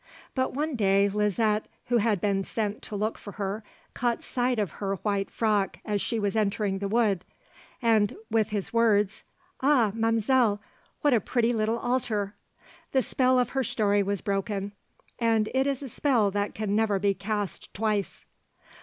But one day Liset, who had been sent to look for her, caught sight of her white frock as she was entering the wood. And with his words: 'Oh, ma'mselle, what a pretty little altar!' the spell of her story was broken, and it is a spell that can never be cast twice.